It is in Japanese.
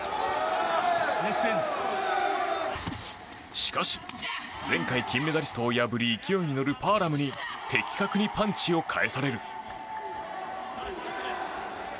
しかし、前回金メダリストを破り勢いに乗るパアラムに的確にパンチを返される。